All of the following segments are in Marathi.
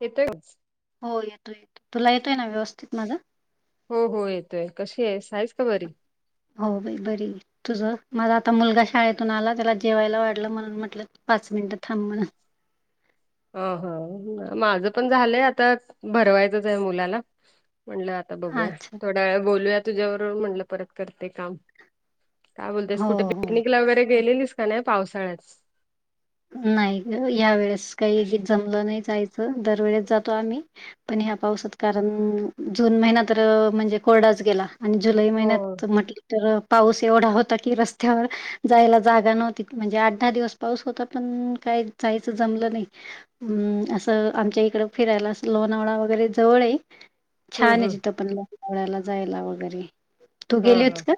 येतोय आवाज. हो येतो येतो तुला येतोय ना व्यवस्थित माझा. हो हो येतोय कशी आहे हाईस का बरी. हो बाई बरी. तुझं माझा आता मुलगा शाळेतून आला त्याला जेवायला वाढलं म्हणून म्हटलं पाच मिनिटं थांब म्हण अ ह माझं पण झालंय आता भरवायचंच आहे मुलाला म्हणलं आ आता बघूया, अच्छा थोड्या वेळ बोलूया तुझ्या बरोबर, म्हणलं परत करते काम. काय बोलतेयस, हो कुठे हो पिकनिकला वगैरे गेलेलीस का, नाय पावसाळ्यात. नाही ग, या वेळेस काही जमलं नाही जायचं, दरवेळेस जातो आम्ही. पण ह्या पाऊसात, कारण जून महिना तर, म्हणजे कोरडाच गेला. आणि, जुलई हो महिन्यात म्हटले तर पाऊस एवढा होता की रस्त्यावर जायला जागा नव्हती म्हणजे आठ दहा दिवस पाऊस होता पण काय जायचं जमलं नाही. हम्म असं आमच्या इकड फिरायला अस लोणावळा वगैरे जवळ ये हम्म छान आहे हम्म तिथं पण [unintelligible] ला जायला वगैरे. तू हा गेली हा. होतीस का?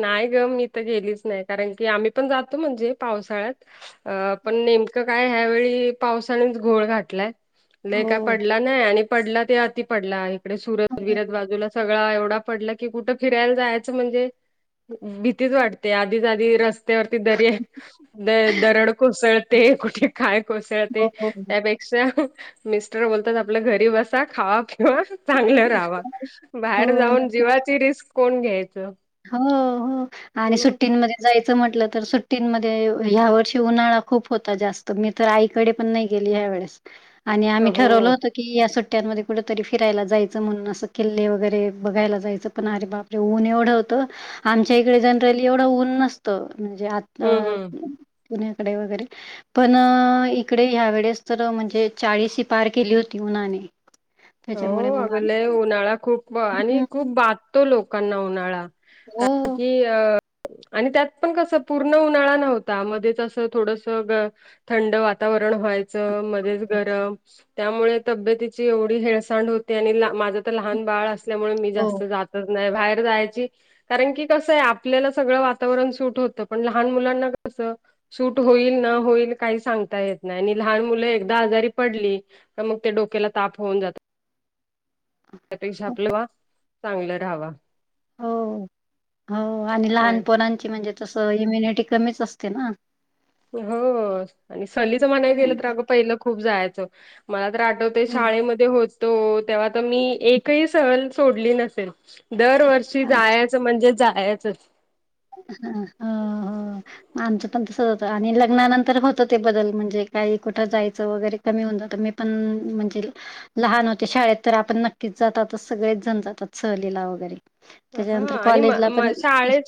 नाही ग मी तर गेलीच नाही कारण की आम्ही पण जातो म्हणजे पावसाळ्यात अ पण नेमकं काय ह्यावेळी पावसानेच घोळ घातलाय. काय हो. पडला नाही आणि पडला ते अति पडला इकडे सुरत हो, बिरत बाजूला सगळा एवढा पडला की कुठं फिरायला जायचं म्हणजे भीतीच वाटते आधीच आधी रस वती दरय द दरड कोसळते कुठे काय कोसळते हो, हो, त्या पेक शा मिस्टर बोलतात आपल्या घरी बसा खावा पिवा चांगलं राहावा हो, बाहेर जाऊन नक्की. जीवाची रिस्क कोण घ्यायचं. हो हो आणि मग सुट्टींमध्ये जायचं म्हंटलं तर सुट्टींमध्ये ह्या वर्षी उन्हाळा खूप होता जास्त मी तर ऐ ई कडे पण नाही गेली ह्या वेळेस आणि आम्ही ठरवल हो. होत की या सुट्ट्यांमध्ये कुठंतरी फिरायला जायचं म्हणून असं किल्ले वगैरे बघायला जायचं पण अरे बाप ऊन एवढं होतं आमच्या इकडे जनरली एवढं ऊन नसतं म्हणजे आ हं, हं. पुण्याकडे वगैरे पण इकडे ह्या वेळेस तर म्हणजे चाळीसही पार केली होती उन्हाने. त्याच्यामुळे हो मग अग आम्ही लेय उन्हाळा खूप ब आणि हं, हं. खूप बाधतो लोकांना उन्हाळा हो, कारण की अ आणि त्यात पण कस पूर्ण उन्हाळा नव्हता मध्येच अस थोडस ग थंड वातावरण व्हायचं मध्येच हो. गरम त्यामुळे तब्बेतीची येवढी हेळसांड होते आणि ला माझ तर लहान बाळ अस असल्यामुळे मी जास्त जातच नाही बाहेर जायची कारण की कसं आहे आपल्याला सगळं वातावरण सुट होतं पण लहान मुलांना कसं सूट होईल न होईल काही सांगता येत नाही आणि लहान मुलं एकदा आजारी पडली मग ते डोक्याला ताप होऊन जात. त्या पेक्षा हो, आपलवा चांगलं राहावा. हो हो आणि लहानपणंची म्हणजे तसं इम्युनिटी कमीच असते ना. हो आणि सलीच म्हणाय गेलं हं, तर अगं पहिलं खूप जायचं मला तर आठव ते हं. शाळेमध्ये होतो तेव्हा तर मी एकही सहल सोडली नसेल. दरवर्षी जायाचं म्हणजे जायाचंच. ह हा हा. आमचं पण तसच होत आणि लग्नानंतर होतं ते बदल म्हणजे काही कुठं जायचं वगैरे कमी होऊन जात मी पण म्हणजे लहान होते शाळेत तर आपण नक्कीच जातात सगळेच जण जातात सहलीला वगैरे. त्याच्यानंतर कॉलेजला पण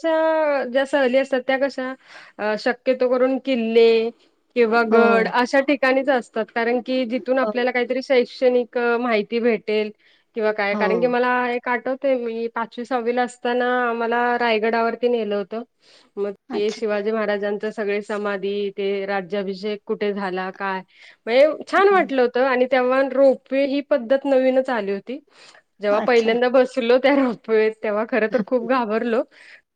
ज्या ज्या सहली असतात त्या कशा शक्यतो करून किल्ले किंवा हो गड अशा ठिकाणीच असतात कारण की तिथून हो आपल्याला काहीतरी शैक्षणिक माहिती भेटेल किंवा काय हो कारण की मला एक आठवत मी पाचवी सहावी ला असतांना आम्हाला रायगडावरती नेलं होत. मग ते अच्छा. शिवाजी महाराजांचं सग समाधी ते राज्याभिषेक कुठे झाला काय वेळ म्हणजे छान हं. वाटल. आणि तेव्हा रोपवे ही पद्धत नवीनच आली होती. जेव्हा अच्छा पहिल्यांदा बसलो त्या रोपवेत तेव्हा खर तर खूप घाबरलो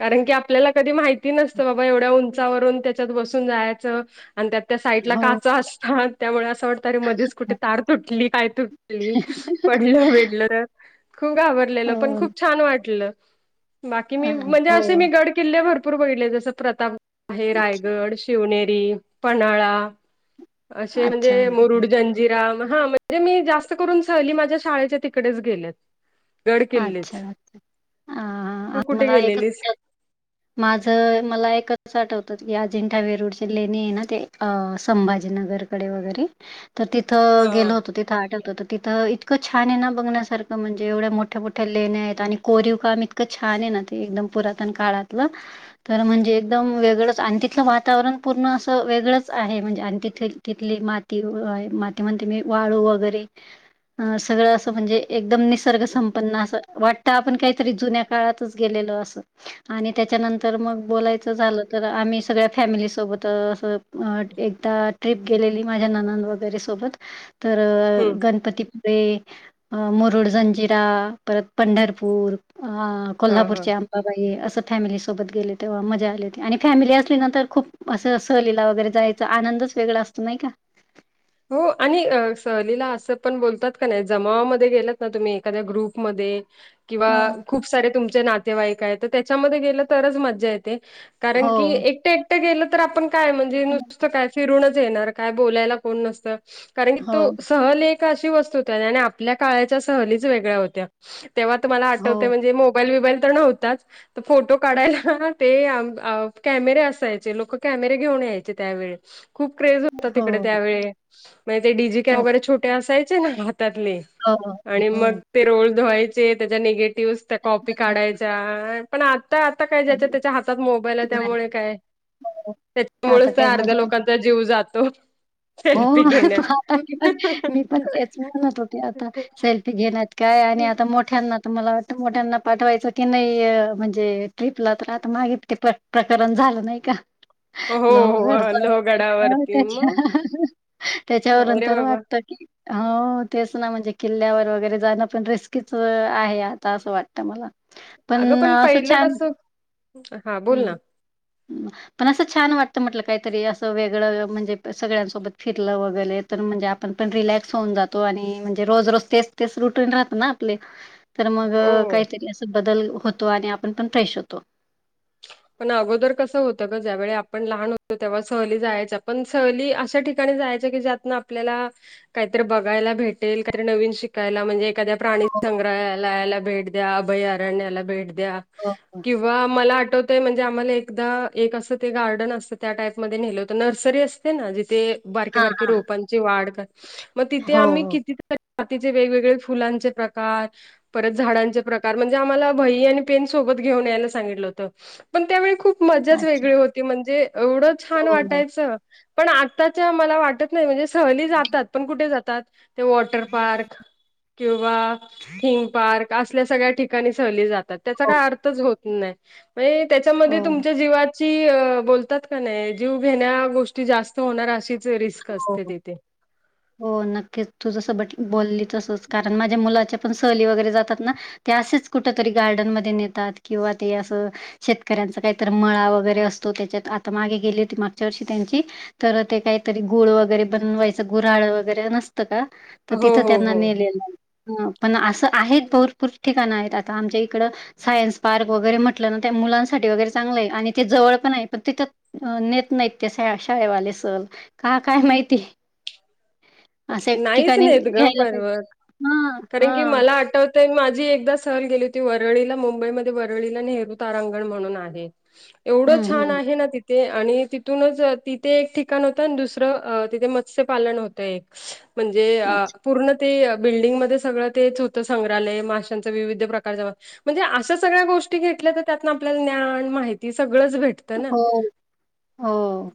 कारण की आपल्याला कधी माहिती नसतं बाबा एवढ्या उंचावरून त्याच्यात बसून जायाचं आणि त्यात त्या साईडला हो काचा असतात त्यामुळे असं वाटतं मधीच कुठे तार तुटली काय तुटली पडलं बिडलंर खूप घाबरलेल हो पण खूप छान वाटलं, बाकी मी हां, म्हणजे हो असे मी गड किल्ले भरपूर बघितले जसं प्रताप हे रायगड शिवनेरी पन्हाळा. असे अच्छा. म्हणजे मुरुड जंज जीराम हा म्हणजे मी जास्त करून सहली माझ्या शाळेच्या तिकडेच गेल्यात. गडकिल्लेच. हा... आ मला एकच गेलेलीस? त्यात माझं.. मला एकच आठवतं की, अजिंठा वेरूळची लेणी हे ना ते अ... संभाजीनगरकडे वगैरे. तर हा तिथं हा. गेलो होतो तिथं आठवत तिथं इतकं छान हे ना बघण्यासारखं म्हणजे एवढ्या मो मोठ्या मोठ्या लेण्या आहेत, आणि कोरीव काम इतकं छान हे ना, ते एकदम पुरातन काळातलं. तर म्हणजे एकदम वेगळंच, आणि तिथलं वातावरण पूर्ण असं वेगळंच आहे. म्हणजे आणि तिथे तिथली माती व माती म्हणते मी वाळू वगैरे. अ सगळं असं म्हणजे, एकदम निसर्ग संप पन्न असं वाटत, आपण काहीतरी जुन्या काळातच गेलेलो असं. आणि त्याच्यानंतर मग बोलायचं झालं तर आम्ही सगळ्या फॅमिली सोबत असं अ एकदा ट्रिप गेलेली माझ्या नणंद वगैरे सोबत... तर... हम्म गणपतीपुळे अ मुरुड जंजिरा. परत पंढरपूर अ हा हा. कोल्हापूरच्या आंबाबाई असं फॅमिलीसोबत गेले त मजा आली होती आणि फॅमिली असली ना तर खूप असं सहलीला वगैरे जायच चा आनंदच वेगळा असतो नही का? हो आणि अ सहलीला असं पण बोलतात का नाही जमावामध्ये गेलात ना तुम्ही एखाद्या ग्रुपमध्ये किंवा हा. खूप सारे तुमचे नातेवाईक आहे, तर त्याच्यांमध्ये गेलं तरच मज्जा येते. कारण की हो, एकटे एकटे गेलं तर आपण काय म्हणजे नुसतं काय फिरूनच येणार काय बोलायला कोण नसत, कारण की हो, तो सहल एक त्या अशा वस्तू होत्या आणि आपल्या काळाच्या सहलीच वेगळ्या होत्या तेव्हा तर मला हो. आठवतंय म्हणजे मोक मोबाईल बीबाईल तर नव्हताच. तर फोटो काढायला ते आ आ कॅमेरे असायचे लोक कॅमेरे घेऊन यायचे त्यावेळेस. खूप क्रेज होता हो. तिकडे त्यावेळे म्हन्जे ते डीजी अ, कॅमे वगैरे छोटे असायचे ना हातातले. हो, आणि मग हो. ते रोल धुवायचे त्याच्या निगेटिव्हस त्या कॉपी काढायच्या... पण आता, आता काय ज्याच्या त्याच्या हातात मोबाईल आहे, नाही. त्यामुळे काय. आता त्याच्यामुळेच तर काय आर्ध्या मजा आली. लोकांचा जीव जातो. हो सेल्फी घेण्यात आता मी पण मी पण तेच म्हणत होते आता सेल्फी घेण्यात. काय आणि आता मोठ्यांना तर मला वाटतं मोठ्यांना पाठवायचं की नाहीय म्हणजे ट्रिपला तर आता मागित ते प्र प्रकरण झालं नाही का हो लवघडच हो लोहगडावरती त्याच्या मग हा हा नाही रे त्याच्यावरूनंतर बाबा वाटत की हो.. तेच ना म्हणजे किल्ल्यावर वगैरे जाणं पण रिस्कीच आहे, आता असं वाटतं मला. पण अगं असं पहिलं छान कसं हा बोल हम् ना पण असं छान वाटत म्हटलं काहीतरी असं वेगळं म्हणजे सगळ्यां सोबत फिरलं वगैले तर म्हणजे आपण पण रिलॅक्स होऊन जातो, आणि म्हणजे रोज रोज तेच तेच रुटीन राहत ना आपले. तर मग हो काहीतरी असं बदल होतो, आणि आपण पण फ्रेश होतो. पण अगोदर कसं होतं ग. ज्यावेळी आपण लहान होतो तेव्हा, सहली जायच्या पण सहली आशा ठिकाणी जायच्या की ज्या आपल्याला काहीतरी बघायला भेटेल काही तरी नवीन शिकायला म्हणजे एखाद्या प्राणी संग्रहालयाला भेट द्या. अभयारण्या्ला भेट द्या. हो हो. किंवा मला आठवत ते म्हणजे आम्हले एकदा, एक असं ते गार्डन असतं त्या टाईप मध्ये नेलं होतं. नर्सरी असते ना जिथे... बारके हां. बारके रोपांची वाढ कर... मग तिथे हो, आम्ही हो. किती, प्रजातीचे वेगवेगळे फुलांचे प्रकार. परत झाडांचे प्रकार म्हणजे आम्हाला वहीआणि पेन सोबत घेऊन यायला सांगितलं होतं. पण त्यावेळी खूप मजाच अच्छा. वेगळी होती म्हणजे एवढं छान हो, हो. वाटायचं. पण आत्ताच्या मला वाटत नाही म्हणजे सहली जातात. पण कुठे जातात? ते वॉटर पार्क किंवा थीम पार्क असल्या सगळ्या ठिकाणी सहली जा त्याचा हो. काय अर्थच होत नाही म्हणजे त्याच्यामध्ये हो. तुमच्या जीवात ची बोलतात का नाही जीव घेण्या गोष्टी जास्त होणार अशीच रिस्क हो. असते तिथे. [inaudible] हो नक्कीच तू जसं बट बोलली तसंच कारण माझ्या मुलाच्या पण सहली वगैरे जातात ना. ते असेच कुठ तरी गार्डनमध्ये नेतात किंवा ते असं शेतकऱ्यांचा काहीतर मळा वगैरे असतो त्याच्यात आता मागे गेली होती मागच्या वर्षी त्यांची. तर ते काय? तरी गुळ वगैरे बनवायचं गुऱ्हाळ वगैरे नसतं का तर हो तिथं हो त्यांना हो नेलेलं. ह पण असं आहेत भरपूर ठिकाणं आहेत आता आमच्या इकडं. सायन्स पार्क वगैरे म्हटलं ना त्या मुलांसाठी वगैरे चांगलं आहे आणि ते जवळ पण आहे पण तिथं अं नेत नाहीत ते शाळेवाले सहल का काय माहिती? असं एक नाहीच ठिकाणी नेत ग घ्यायला पण पाहिजे. मग हां, कारण की हां. मला आठव माझी एकदा सहर गेली होती वरळीला मुंबईमध्ये वरळीला नेहरू तारांगण म्हणून आहे. एवढं हं, छान हं. आहे ना ति ते आणि तिथूनच तिथे एक ठिकाण होतं आणि दुसरं तिथे मत्स्य पालन होतं एक. म्हणजे आ अच्छा. पूर्ण ते बिल्डिंगमध्ये सगळं तेच होतं संग्रहालय माशांचं विविध प्रकारच्या म्हणजे अशा सगळ्या गोष्टी घेतल्या तर त्यातन आपल्याला ज्ञान माहिती सगळंच भेटतं ना. हो, हो.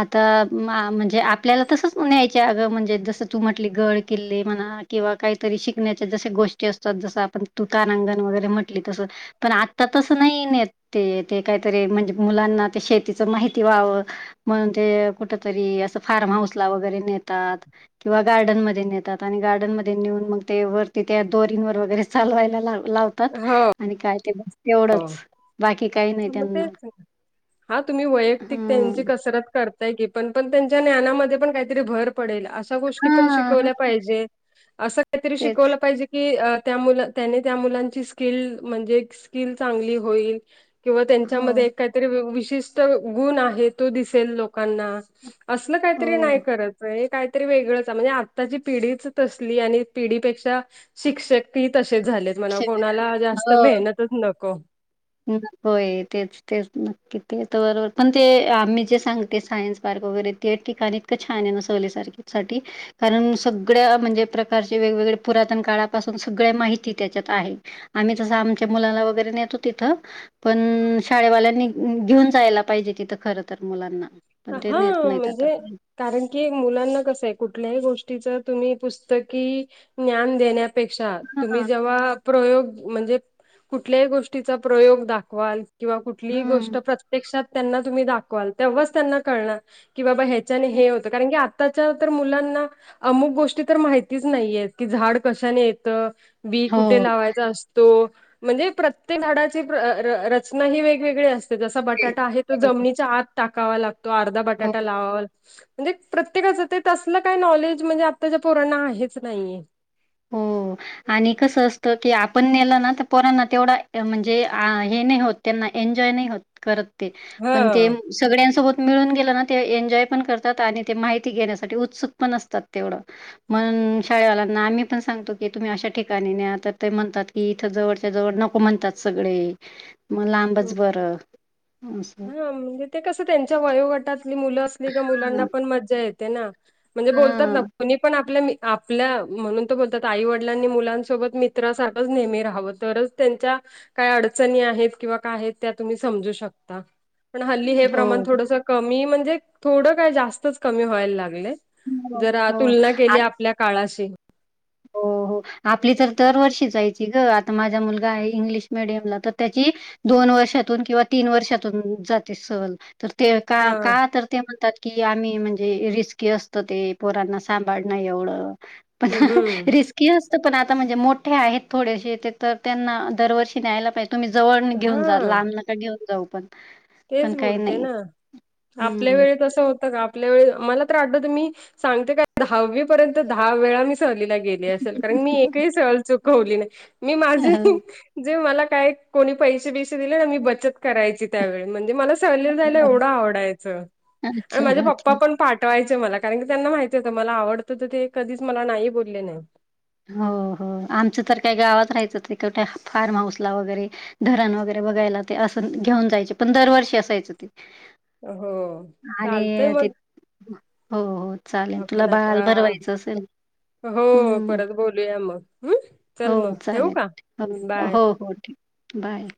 आता म म्हणजे आपल्याला तसंच न्यायचे अगं म्हणजे जसं तू म्हटली गड किल्ले म्हणा. किंवा काहीतरी शिकण्याच्या जशा गोष्टी असतात जस आपण तुकार अंगण वगैरे म्हटले तसं. पण आत्ता तसं नाही नेत ते काहीतरी म्हणजे मुलांना ते शेतीचं माहिती व्हावं. म्हणून ते कुठ तरी असं फार्म हाऊस ला वगैरे नेतात. किंवा गार्डन मध्ये नेतात आणि गार्डन मध्ये नेऊन मग ते वरती त्या दोरींवर वगैरे चालवायला लाव तात हो आणि काय ते बस तेवढंच बाकी काही नाही मग त्यांना. तेच हा तुम्ही वैयक्तिक हं. त्यांची कसरत कर ताय की पण पण त्यांच्या ज्ञानामध्ये पण काहीतरी भर पडेल अशा गोष्टी पण हां, हां. शिकवल्या पाहिजे. असं काहीतरी तेच. शिकवलं पाहिजे की त्या त्याने त्या मुलांची स्किल म्हणजे स्किल चांगली होईल किंवा हो. त्यांच्यामध्ये काहीतरी विश गुण आहे तो दिसेल लोकांना, असल हो काहीतरी नाही करत हे काय तरी वेगळंच म्हणजे आत्ताची पिढीच तसली आणि पिढीपेक्षा शिक्षक ही तसेच झालेत म्हनांव शक्य- कोणाला जास्त हो मेहनतच नको. होय तेच तेच नक्की ते तर बरोबर पण ते आम्ही जे सांगते सायन्स पार्क वगैरे ते ठिकाणी इतकं छान आहे ना सहलीसारखी साठी. कारण सगळ्या म्हणजे प्रकारचे वेगवेगळे पुरातन काळापासून सगळ्या माहिती त्याच्यात आहे. आम्ही तसं आमच्या मुलाला वगैरे नेत तिथं पण शाळेवाल्यांनी घेऊन जायला पाहिजे, तिथं खरं तर मुलांना. पण, ते हा नेत नाहीत आता. म्हणजे कारण की, मुलांना कसं आहे कुठल्याही गोष्टीच तुम्ही पुस्तकी ज्ञान देण्या पेक्षा तुम्ही जेव्हा प्रयोग म्हणजे कुठल्या ही गोष्टीचा प्रयोग दाखवाल. किंवा कुठलीही गोष्ट हम्म प्रत्यक्षात त्यांना तुम्ही दाखवाल, तेव्हाच त्यांना कळणार. की बाबा ह्याच्याने हे होतं कारण की आताच्या तर मुलांना अमुक गोष्टी तर माहितीच नाहीयेत की झाड कशाने येत. बी हो कुठे लावाय असतो म्हणजे प्रत्येक झाडाची रचना हि वेगवेगळी अस जसा ते बटाटा आहे तो जमनीच्या आत टाकावा लागतो अर्धा हो बटाटा लावा ला म्हणजे प्रत्येकाचं ते तसलं काही नॉलेज म्हणजे आत्ताच्या पोरांना आहेच नाहीयं. हो. आणि कसं असत की, आपण नेलं ना तर पोरांना तेवढा म्हणजे हे नाही होत त्यांना एन्जॉय नाही होत. करत ते पण ते हा. सगळ्यां सोबत मिळून गेलं ना ते एन्जॉय पण करतात, आणि ते माहिती घेण्यासाठी उत्सुक पण असतात तेवढं. म्हण शाळे वाल्यांना आम्ही आपण सांगतो की, तुम्ही अशा ठिकाणी न्या तर ते म्हणतात की इथं जवळच्या जवळ नको म्हणतात सगळे. मग लांबच हम्म. बरं असं. हा म्हणजे ते कसं त्यांच्या वयोगटातली मुलं असली का, मुलांना हां. पण मज्जा येते ना म्हणजे बोलतात ना. हां. कुणी पण आपल्या -आपल्या म्हणून तो बोलतात, आई वडिलांनी मुलांसोबत मित्रा सारखचं नेहमी राहावं तरच त्यांच्या काय अडचणी आहेत किंवा काय आहे त्यात तुम्ही समजू शकता, पण हल्ली हे प्रमाण हो. थोडसं कमी म्हणजे थोडं काय, जास्तच कमी व्हायला लागलेय. जरा हो. तुलना आ केली, आपल्या काळाशी हो. आपली तर दरवर्षी जायची गं, आता माझा मुलगा आहे इंग्लिश मिडियमला तर त्याची दोन वर्षातून किंवा तीन वर्षातून जाते सहल तर ते काय, हा का तर ते म्हणतात. कि आम्ही म्हणजे रिस्की असतो, ते पोरांना सांभाळणं एवढं पण हम्म रिस्की असत, पण आता म्हणजे मोठे आहेत थोडेसे ते तर त्यांना दरवर्षी न्यायला पाहिजे. तुम्ही जवळ घेऊन जा, हा लांब नका घेऊन जाऊ पण. तेच पण काही बोलते नाही. ना, आपल्या हं. वेळी तसं होतं का? आपल्या वेळी मला तर, आठवतय मी सांगते काय दहावी पर्यंत सहलीला गेली असेल, कारण मी एकही सहल चुकवली नाही मी माझी हो जे मला काय कोणी पैसे बैसे दिले ना, मी बचत करायची त्यावेळी म्हणजे मला सहलीला जायला ना. एवढं आवडायचं आणि अच्छा, माझे अच्छा. पप्पा पण पाठवायचे मला कारण की, त्यांना माहिती होतं मला आवडतं तर ते कधीच मला नाही बोलले नाहीत. हो हो, आमचं तर काय गावात राहायचं कुठ फार्म हाऊसला वगैरे. धरण वगैरे बघायला ते असं घेऊन जायचे, पण दरवर्षी असायचं ते. हो, चालतय आणि ते मग. हो हो, चालेल तुला आपण बाळाला आता भरवायचं असेल, ह ह. बोलुया मग हम. हो चालेल, हो हो हो ठीक ये बाय!